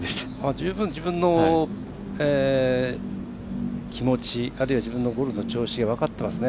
十分、自分の気持ちあるいは自分のゴルフの調子が分かってますね。